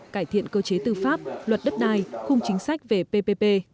cải thiện cơ chế tư pháp luật đất đai khung chính sách về ppp